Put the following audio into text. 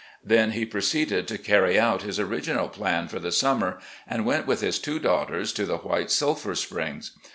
Then he proceeded to carry out his original plan for the summer, and went with his two daughters to the White Sulphur Springs.